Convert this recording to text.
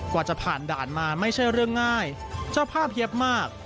กว่าจะผ่านด่านมาไม่ใช่เรื่องง่ายเจ้าภาพเย็บมาก